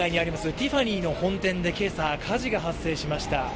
ティファニーの本店で今朝火事が発生しました。